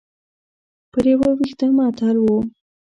په یو وېښته معطل و.